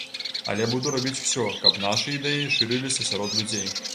Але буду рабіць усё, каб нашы ідэі шырыліся сярод людзей.